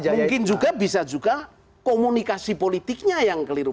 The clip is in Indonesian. mungkin juga bisa juga komunikasi politiknya yang keliru